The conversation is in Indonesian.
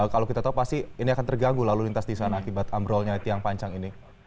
kalau kita tahu pasti ini akan terganggu lalu lintas di sana akibat ambrolnya tiang panjang ini